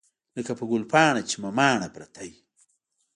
لکه په ګلپاڼه چې مماڼه پرته وي.